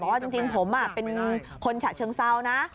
ว่าจริงผมเป็นคนฉะเชิงเซานะ